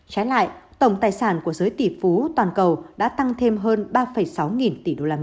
trái lại tổng tài sản của giới tỷ phú toàn cầu đã tăng thêm hơn ba sáu nghìn